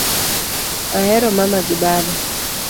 Ahero mama gi baba